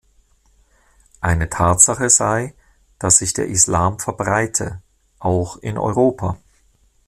Eine Tatsache sei, dass sich der Islam verbreite, auch in Europa.